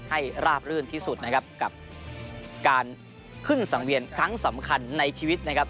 ราบรื่นที่สุดนะครับกับการขึ้นสังเวียนครั้งสำคัญในชีวิตนะครับ